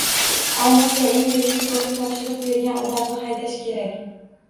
Ayniqsa eng birinchi boʻlib topshiriq bergan odamni haydash kerak.